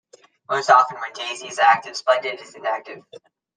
Most often, when Daisy is active, Splendid is inactive.